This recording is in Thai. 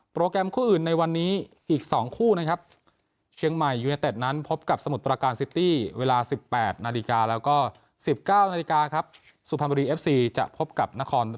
โปรแกรมคู่อื่นในวันนี้อีก๒คู่นะครับ